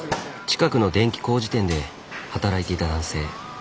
近くの電気工事店で働いていた男性。